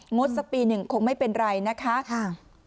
ดสักปีหนึ่งคงไม่เป็นไรนะคะ